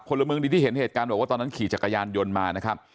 ละเมืองดีที่เห็นเหตุการณ์บอกว่าตอนนั้นขี่จักรยานยนต์มานะครับ